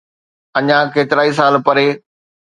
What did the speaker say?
اڃا ڪيترائي سال پري